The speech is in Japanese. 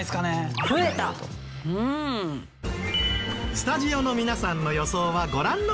スタジオの皆さんの予想はご覧のとおり。